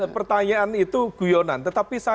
pertanyaan itu guyonan tetapi